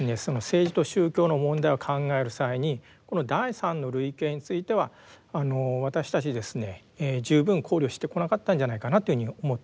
政治と宗教の問題を考える際にこの第三の類型についてはあの私たちですね十分考慮してこなかったんじゃないかなっていうふうに思っております。